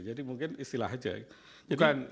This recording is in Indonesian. jadi mungkin istilah saja